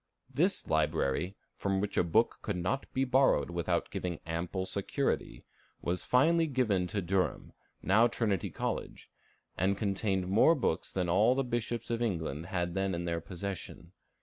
This library, from which a book could not be borrowed without giving ample security, was finally given to Durham, now Trinity College, and contained more books than all the bishops of England had then in their possession.